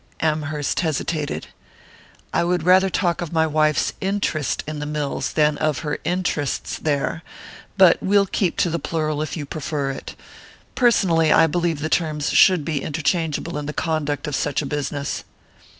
Amherst hesitated. "I would rather talk of my wife's interest in the mills than of her interests there; but we'll keep to the plural if you prefer it. Personally, I believe the terms should be interchangeable in the conduct of such a business."